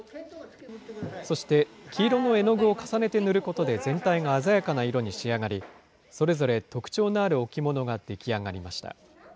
そして黄色の絵の具を重ねて塗ることで全体が鮮やかな色に仕上がり、それぞれ特徴のある置物が出来上がりました。